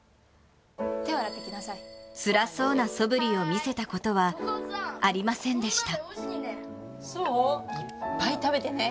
つらそうなそぶりを見せたことはありませんでした。